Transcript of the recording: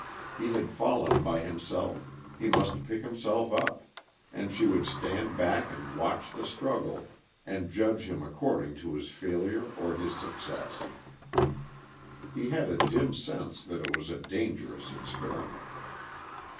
He had fallen by himself, he must pick himself up; and she would stand back and watch the struggle, and judge him according to his failure or his success. He had a dim sense that it was a dangerous experiment.